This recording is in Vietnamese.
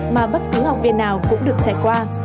mà bất cứ học viên nào cũng được tránh